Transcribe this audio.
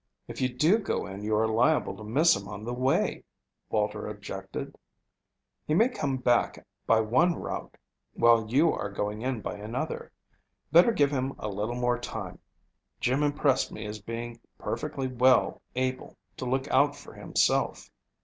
"If you do go in you are liable to miss him on the way," Walter objected. "He may come back by one route while you are going in by another. Better give him a little more time. Jim impressed me as being perfectly well able to look out for himself."